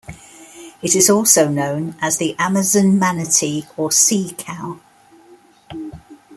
It is also known as the Amazon manatee or sea cow.